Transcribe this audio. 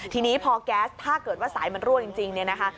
ทีนี้พอแก๊สถ้าเกิดว่าสายมันรั่วจริงเนี่ยนะคะ